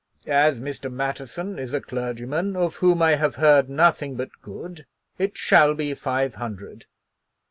"As Mr. Matterson is a clergyman of whom I have heard nothing but good, it shall be five hundred."